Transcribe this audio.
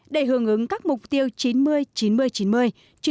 để hưởng ứng các mục tiêu bệnh nhân có thể bảo hiểm y tế